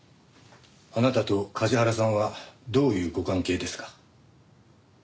あなたと梶原さんはどういうご関係ですか？